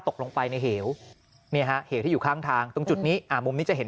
ตกลงไปในเหวเนี่ยฮะเหวที่อยู่ข้างทางตรงจุดนี้มุมนี้จะเห็น